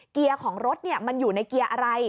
เกียร์ของรถมันอยู่ในเกียร์อะไร